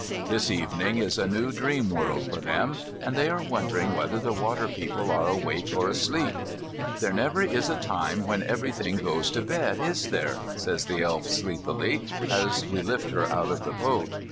This evening is a new dream world for them, and they are wondering whether the water people are awake or asleep. "There never is a time when everything goes to bed, is there?" says the Elf, sleepily, as we lift her out of the boat.